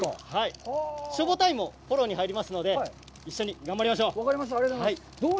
消防隊員もフォローに入りますので一緒に消しましょう。